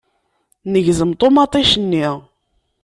Negzem ṭumaṭic-nni.